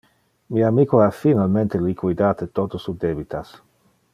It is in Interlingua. Mi amico ha finalmente liquidate tote su debitas.